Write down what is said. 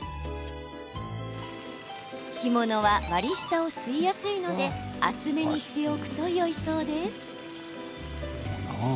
干物は割り下を吸いやすいので厚めにしておくとよいそうです。